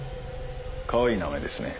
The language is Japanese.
かわいい名前ですね。